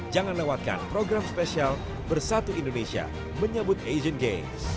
jangan lewatkan program spesial bersatu indonesia menyambut asian games